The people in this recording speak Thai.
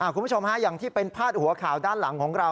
คุณผู้ชมฮะอย่างที่เป็นพาดหัวข่าวด้านหลังของเรา